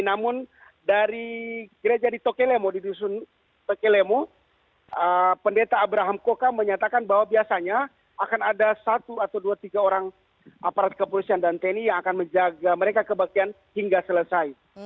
namun dari gereja di tokelemo pendeta abraham koka menyatakan bahwa biasanya akan ada satu dua tiga orang aparat kepolisian dan tni yang akan menjaga mereka kebahagiaan hingga selesai